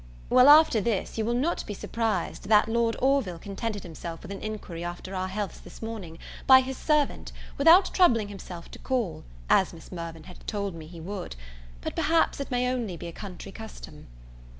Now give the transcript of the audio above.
Well, after this, you will not be surprised that Lord Orville contented himself with an inquiry after our healths this morning, by his servant, without troubling himself to call, as Miss Mirvan had told me he would; but perhaps it may be only a country custom.